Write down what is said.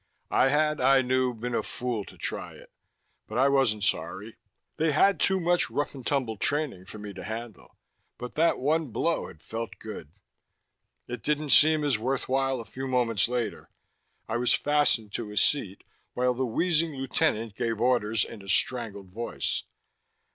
I had, I knew, been a fool to try it. But I wasn't sorry. They had too much rough and tumble training for me to handle. But that one blow had felt good. It didn't seem as worth while a few moments later. I was fastened to a seat, while the wheezing lieutenant gave orders in a strangled voice.